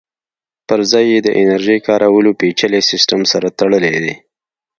پرځای یې د انرژۍ کارولو پېچلي سیسټم سره تړلی دی